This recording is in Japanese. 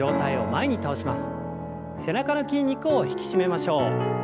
背中の筋肉を引き締めましょう。